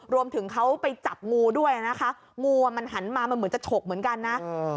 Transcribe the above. รวมถึงเขาไปจับงูด้วยนะคะงูอ่ะมันหันมามันเหมือนจะฉกเหมือนกันนะ